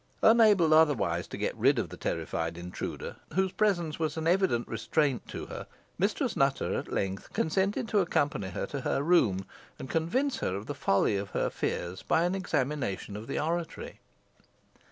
Unable otherwise to get rid of the terrified intruder, whose presence was an evident restraint to her, Mistress Nutter, at length, consented to accompany her to her room, and convince her of the folly of her fears, by an examination of the oratory.